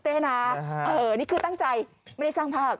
ใช่ค่ะนี่คือตั้งใจไม่สร้างภาพ